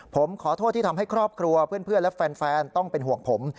ผมขอโทษที่ทำให้ครอบครัวเพื่อนและแฟนต้องเป็นห่วงผม